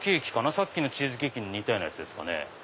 さっきのチーズケーキに似たようなやつですかね。